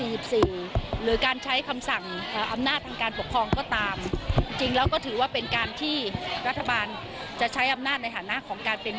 หรือการใช้คำสั่งอำนาจทางการปกครองก็ตาม